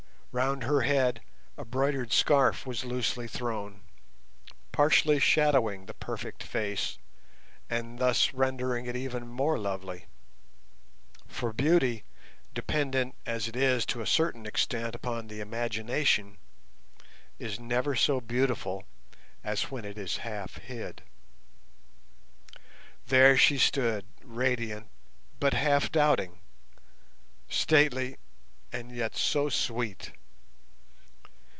Round her head a broidered scarf was loosely thrown, partially shadowing the perfect face, and thus rendering it even more lovely; for beauty, dependent as it is to a certain extent upon the imagination, is never so beautiful as when it is half hid. There she stood radiant but half doubting, stately and yet so sweet.